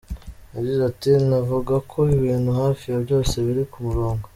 Yagize ati “Navuga ko ibintu hafi ya byose biri ku murongo.